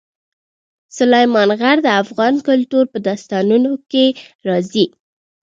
سلیمان غر د افغان کلتور په داستانونو کې راځي.